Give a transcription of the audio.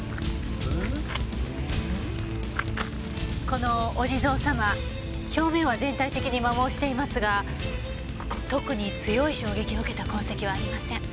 このお地蔵様表面は全体的に磨耗していますが特に強い衝撃を受けた痕跡はありません。